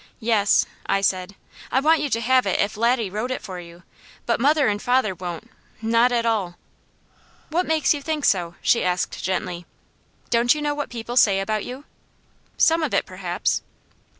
"Yes," I said. "I want you to have it if Laddie wrote it for you but mother and father won't, not at all." "What makes you think so?" she asked gently. "Don't you know what people say about you?" "Some of it, perhaps."